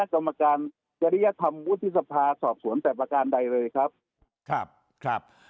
ทางคณะกรรมการจันทรียธรรมวุฒิษภาสอบสวนแสบประการใดเลยครับ